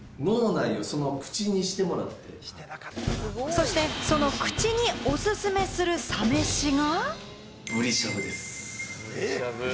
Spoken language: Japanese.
そして、その口におすすめするサ飯が。